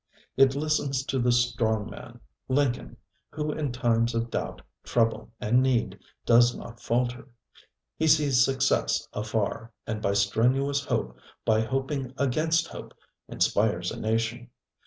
It listens to the strong man, Lincoln, who in times of doubt, trouble and need does not falter. He sees success afar, and by strenuous hope, by hoping against hope, inspires a nation.